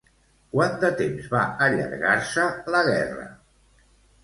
Quant de temps va allargar-se la guerra?